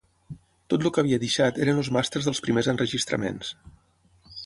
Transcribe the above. Tot el que havia deixat eren els màsters dels primers enregistraments.